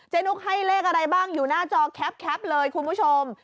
นุกให้เลขอะไรบ้างอยู่หน้าจอแคปเลยคุณผู้ชม